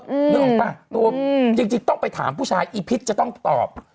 นึกออกปะจริงต้องไปถามผู้ชายพิษจะต้องตอบ